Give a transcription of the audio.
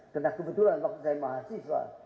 karena kebetulan waktu saya mahasiswa